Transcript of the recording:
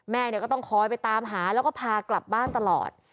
แม่ก็ต้องคอยไปตามหาแล้วก็พากลับบ้านตลอด